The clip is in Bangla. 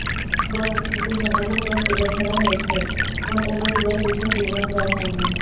বরং, শুধু ঘটনাক্রম তুলে ধরা হয়েছে, ঘটনাগুলোর বিশদ বিবরণ দেওয়া হয়নি।